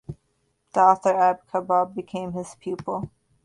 The author Abe Kobo became his pupil.